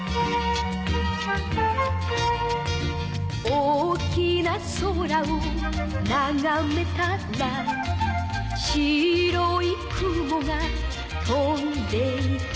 「大きな空をながめたら」「白い雲が飛んでいた」